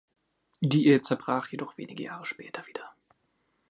Die Ehe zerbrach jedoch wenige Jahre später wieder.